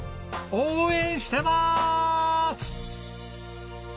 応援してます！